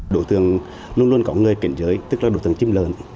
đối tượng luôn luôn có người kiện giới tức là đối tượng chiếm lợn